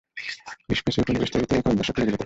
স্পেসে উপনিবেশ তৈরিতে কয়েক দশক লেগে যেতে পারে।